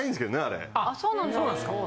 あそうなんですか？